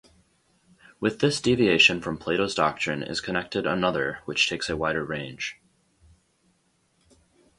With this deviation from Plato's doctrine is connected another which takes a wider range.